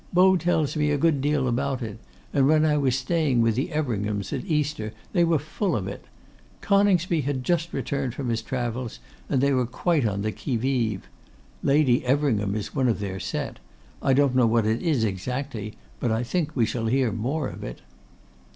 Beau tells me a good deal about it; and when I was staying with the Everinghams, at Easter, they were full of it. Coningsby had just returned from his travels, and they were quite on the qui vive. Lady Everingham is one of their set. I don't know what it is exactly; but I think we shall hear more of it.